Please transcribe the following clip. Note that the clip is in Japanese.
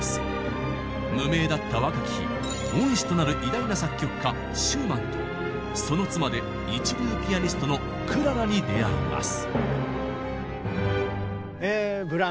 無名だった若き日恩師となる偉大な作曲家シューマンとその妻で一流ピアニストのクララに出会います。